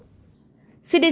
ctc hải phòng